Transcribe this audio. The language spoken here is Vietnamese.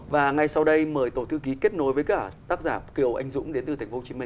và ngay sau đây mời tổ thư ký kết nối với cả tác giả kiều anh dũng đến từ tp hcm